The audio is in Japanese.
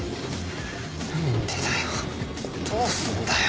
何でだよどうすんだよ。